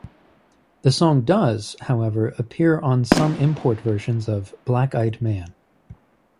The song does, however, appear on some import versions of "Black Eyed Man".